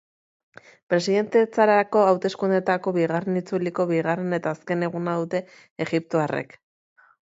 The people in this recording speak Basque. Presidentetzarako hauteskundeetako bigarren itzuliko bigarren eta azken eguna dute egiptoarrek.